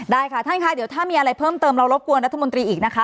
ได้ค่ะท่านค่ะเดี๋ยวถ้ามีอะไรเพิ่มเติมเรารบกวนรัฐมนตรีอีกนะคะ